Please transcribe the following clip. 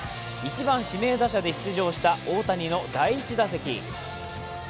１番指名打者で出場した大谷の第１打席。